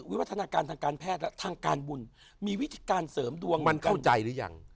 วัฒนาการทางการแพทย์และทางการบุญมีวิธีการเสริมดวงมันเข้าใจหรือยัง